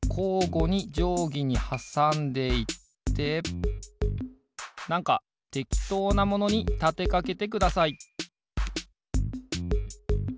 ごにじょうぎにはさんでいってなんかてきとうなものにたてかけてください